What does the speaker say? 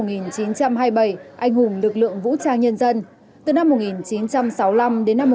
anh hùng lực lượng vũ trang nhân dân từ năm một nghìn chín trăm sáu mươi năm đến năm một nghìn chín trăm bảy mươi hai